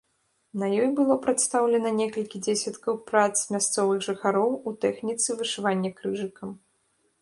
На ёй было прадстаўлена некалькі дзесяткаў прац мясцовых майстроў у тэхніцы вышывання крыжыкам.